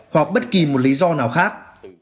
hoặc bất kỳ một lý do nào khác